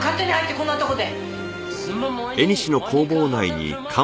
こんなとこで。